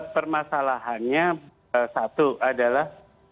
permasalahannya satu adalah